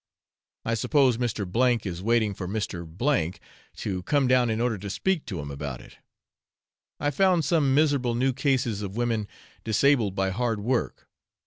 I suppose Mr. G is waiting for Mr. to come down in order to speak to him about it. I found some miserable new cases of women disabled by hard work.